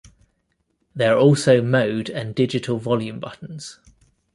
There are also mode and digital volume buttons.